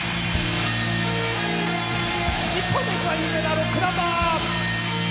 日本一有名なロックナンバー！